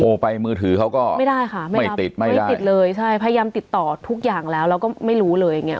ไปมือถือเขาก็ไม่ได้ค่ะไม่ติดไม่ได้ติดเลยใช่พยายามติดต่อทุกอย่างแล้วแล้วก็ไม่รู้เลยอย่างเงี้